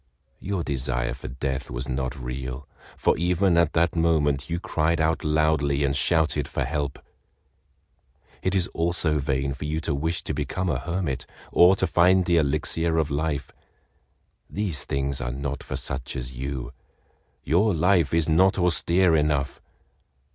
Your desire for death was not real, for even at that moment you cried out loudly and shouted for help." "It is also vain for you to wish to become a hermit, or to find the Elixir of Life. These things are not for such as you—your life is not austere enough.